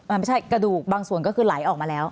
มันไม่ใช่กระดูกบางส่วนก็คือไหลออกมาแล้ว